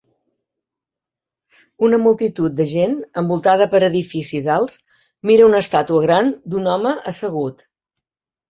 Una multitud de gent envoltada per edificis alts mira una estàtua gran d'un home assegut.